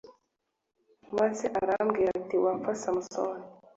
Maze aramubwira ati Wapfa Samusoni